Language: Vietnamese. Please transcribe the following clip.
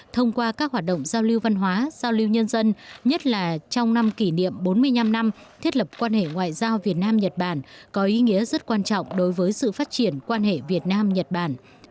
thông qua các hoạt động giao lưu văn hóa giao lưu nhân dân nhất là trong năm kỷ niệm bốn mươi năm năm thiết lập quan hệ ngoại giao việt nam nhật bản có ý nghĩa rất quan trọng đối với sự phát triển quan hệ việt nam nhật bản